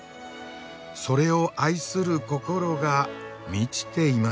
それを愛する心が満ちていました。